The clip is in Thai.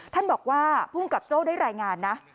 ท่านบอกว่าภูมิกับโจ้ได้รายงานนะ